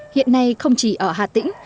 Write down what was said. hiện nay không chỉ ở hà tĩnh